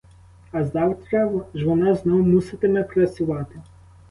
А завтра ж вона знов муситиме працювати.